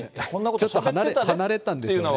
ちょっと離れてたんでしょうね。